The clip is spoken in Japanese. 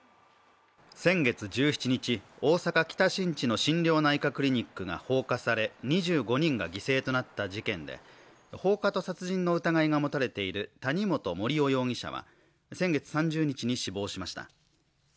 先月１７日、大阪・北新地の心療内科クリニックが放火され２５人が犠牲となった事件で放火と殺人の疑いが持たれている谷本盛雄容疑者は、先月３０日に死亡しました。